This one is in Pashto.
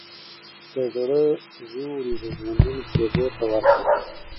د زړه زور دي د ژوندون شېبو ته وركه